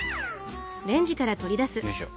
よいしょ。